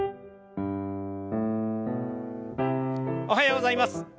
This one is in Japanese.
おはようございます。